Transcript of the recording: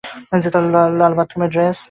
লাল বাথরুমের ড্রেস।